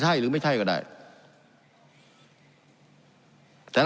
การปรับปรุงทางพื้นฐานสนามบิน